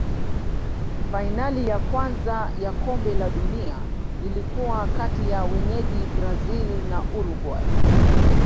fainali ya kwanza ya kombe la dunia ilikuwa kati ya wenyeji brazil na uruguay